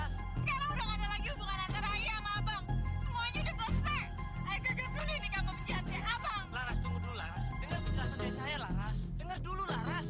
suara denger dulu denger dulu